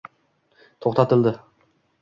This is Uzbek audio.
to'xtatildi